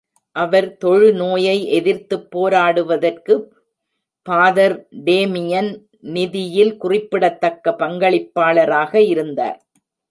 அவர் தொழுநோயை எதிர்த்துப் போராடுவதற்கு ஃபாதர் டேமியன் நிதியில் குறிப்பிடத்தக்க பங்களிப்பாளராக இருந்தார்.